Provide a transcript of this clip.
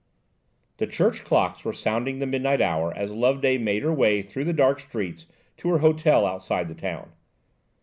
'" The church clocks were sounding the midnight hour as Loveday made her way through the dark streets to her hotel outside the town.